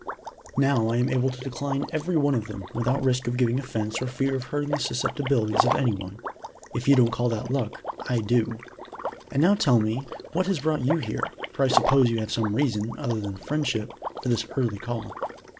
Now I am able to decline every one of them without risk of giving offense or fear of hurting the susceptibilities of any one. If you don't call that luck, I do. And now tell me what has brought you here, for I suppose you have some reason, other than friendship, for this early call.